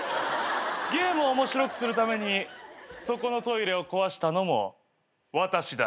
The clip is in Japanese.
ゲームを面白くするためにそこのトイレを壊したのも私だ。